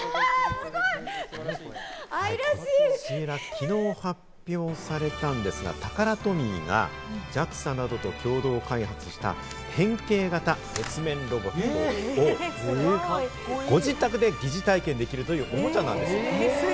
昨日発表されたんですが、タカラトミーがＪＡＸＡなどと共同開発した変形型月面ロボットをご自宅で疑似体験できるという、おもちゃなんです。